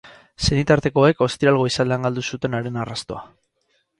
Senitartekoek ostiral goizaldean galdu zuten haren arrastoa.